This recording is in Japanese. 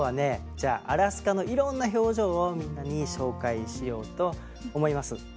じゃあアラスカのいろんな表情をみんなに紹介しようと思います。